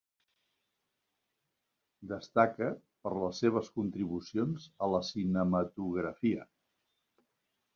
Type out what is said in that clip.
Destaca per les seves contribucions a la cinematografia.